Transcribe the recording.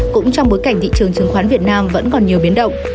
cũng trong bối cảnh thị trường chứng khoán việt nam vẫn còn nhiều biến động